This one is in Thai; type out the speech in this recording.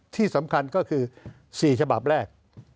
ที่สำคัญก็คือ๔ฉบับแรก